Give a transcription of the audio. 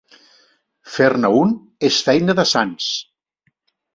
Fer-ne un és feina de sants.